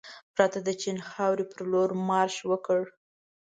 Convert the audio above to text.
بېرته د چین خاورې پرلور مارش وکړ.